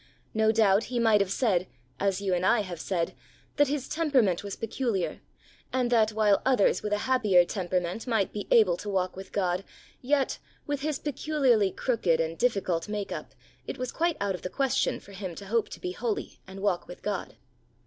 No doubt he might have said, as you and I have said, that his temperament was peculiar, and that while others with a happier temperament might be able to walk with God, yet, with his peculiarly crooked and difficult make up, it was quite out of the question for him to hope to be holy and walk with God.